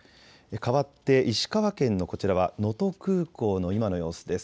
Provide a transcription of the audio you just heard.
かわって石川県のこちらは能登空港の今の様子です。